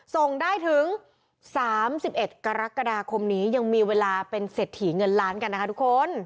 ส่งได้ถึง๓๑กรกฎาคมนี้ยังมีเวลาเป็นเศรษฐีเงินล้านกันนะคะทุกคน